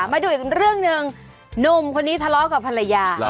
มาดูอีกเรื่องหนึ่งหนุ่มคนนี้ทะเลาะกับภรรยา